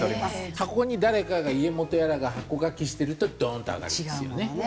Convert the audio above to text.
箱に誰かが家元やらが箱書きしてるとドーンと上がるんですよね。